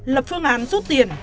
lập phương án rút tiền